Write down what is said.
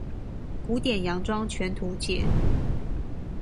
古典洋裝全圖解